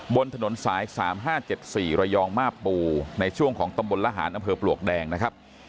บนถนนสาย๓๕๗๔ระยองมาบปูในช่วงของตำบลละหารอำเภอปลวกแดงนะครับ